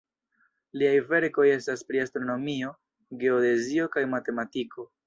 Liaj verkoj estas pri astronomio, geodezio kaj matematiko.